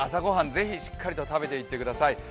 ぜひしっかりと食べてきてください。